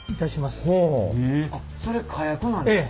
あっそれ火薬なんですか？